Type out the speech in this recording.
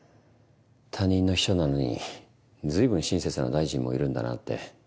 他人の秘書なのに随分親切な大臣もいるんだなって。